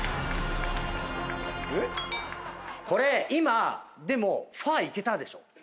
これ今でもファいけたでしょ？